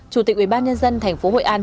chủ tịch ủy ban nhân dân thành phố hồi an